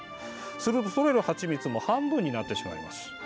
すると、とれる蜂蜜も半分になってしまいます。